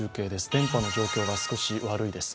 電波の状況が少し悪いです。